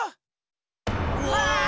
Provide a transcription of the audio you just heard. うわ！